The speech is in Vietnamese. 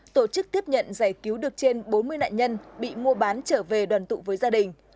tổ chức tiếp nhận giải cứu được trên bốn mươi nạn nhân bị mua bán trở về đoàn tụ với gia đình